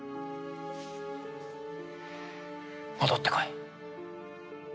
戻ってこい。